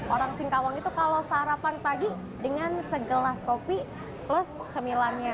orang singkawang itu kalau sarapan pagi dengan segelas kopi plus cemilannya